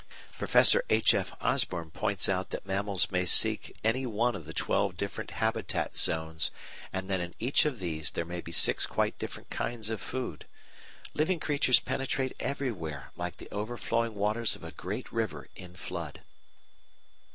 Professor H. F. Osborn points out that mammals may seek any one of the twelve different habitat zones, and that in each of these there may be six quite different kinds of food. Living creatures penetrate everywhere like the overflowing waters of a great river in flood.